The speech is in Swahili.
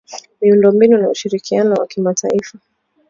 ,miundo mbinu na ushirikiano wa kimataifa